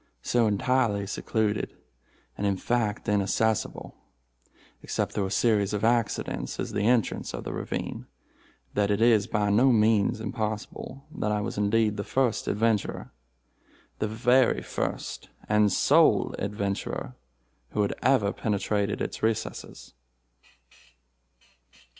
So entirely secluded, and in fact inaccessible, except through a series of accidents, is the entrance of the ravine, that it is by no means impossible that I was indeed the first adventurer—the very first and sole adventurer who had ever penetrated its recesses.